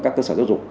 các cơ sở dục